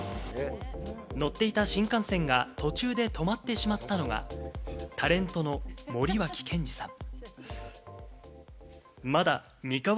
乗っていた新幹線が途中で止まってしまったのは、タレントの森脇健児さん。